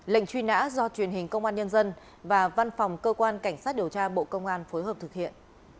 lệnh truy nã do truyền hình công an nhân dân và văn phòng cơ quan cảnh sát điều tra bộ công an phối hợp thực hiện